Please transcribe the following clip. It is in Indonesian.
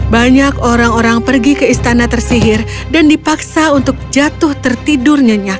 banyak orang orang pergi ke istana tersihir dan dipaksa untuk jatuh tertidur nyenyak